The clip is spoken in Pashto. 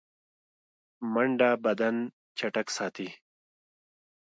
منډه بدن چټک ساتي